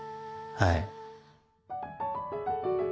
はい。